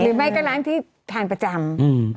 หรือไม่ก็ร้านที่ทานประจำ